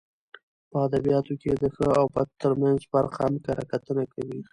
په اد بیاتو کښي د ښه او بد ترمنځ فرق هم کره کتنه کوي.